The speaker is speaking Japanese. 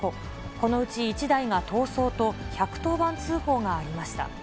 このうち１台が逃走と、１１０番通報がありました。